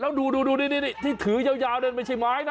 แล้วดูที่ถือยาวไม่ใช่ไม้นะ